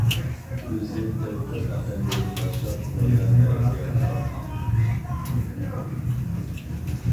ئۇزى تەۋپىق ئەپەندىنى باشلاپ مەيدان تەرەپكە قاراپ ماڭدى.